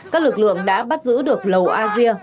các lực lượng đã bắt giữ được lầu a dia